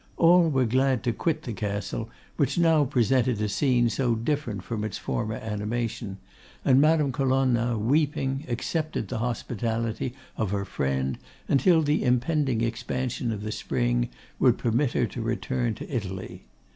All were glad to quit the Castle, which now presented a scene so different from its former animation, and Madame Colonna, weeping, accepted the hospitality of her friend, until the impending expansion of the spring would permit her to return to Italy.